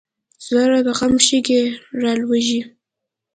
زړه د غم شګې رالوېږي.